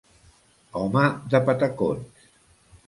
Home de patacons.